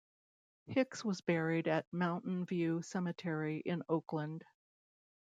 Hicks was buried at Mountain View Cemetery in Oakland.